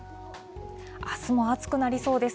あすも暑くなりそうです。